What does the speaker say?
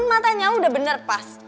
matanya udah bener pas